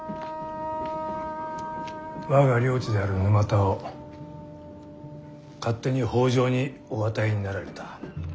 我が領地である沼田を勝手に北条にお与えになられた。